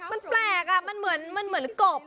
มันแปลกอ่ะมันเหมือนกบ